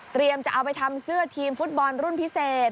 จะเอาไปทำเสื้อทีมฟุตบอลรุ่นพิเศษ